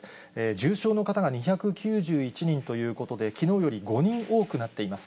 重症の方が２９１人ということで、きのうより５人多くなっています。